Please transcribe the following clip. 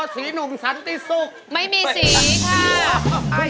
อ๋อสีหนุ่มสันติสุกไม่มีสีค่ะ